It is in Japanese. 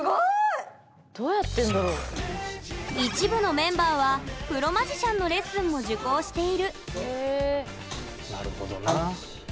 一部のメンバーはプロマジシャンのレッスンも受講しているなるほどな。